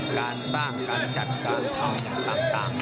การสร้างการจัดการเพาท์อย่างต่าง